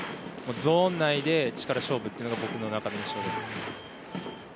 ゾーン内で内から勝負というのが僕の印象です。